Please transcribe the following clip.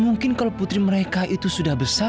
mungkin kalau putri mereka itu sudah besar